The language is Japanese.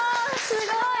すごい！